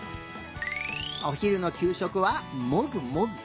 おひるのきゅうしょくはもぐもぐ。